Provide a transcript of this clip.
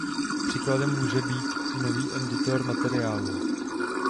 Příkladem může být i nový editor materiálů.